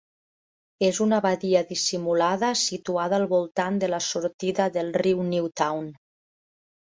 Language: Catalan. És una badia dissimulada situada al voltant de la sortida del riu Newtown.